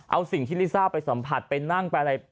เอาสิ่งที่ลิซ่าไปสัมผัสไปนั่งไปอะไร